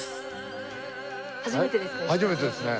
初めてですか？